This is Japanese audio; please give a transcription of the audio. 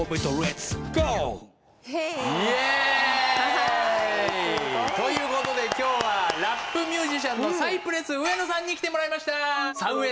ハハッすごい。という事で今日はラップミュージシャンのサイプレス上野さんに来てもらいました。